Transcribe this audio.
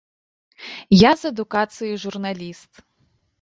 Я з адукацыі журналіст.